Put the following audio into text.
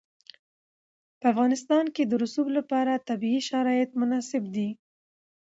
په افغانستان کې د رسوب لپاره طبیعي شرایط مناسب دي.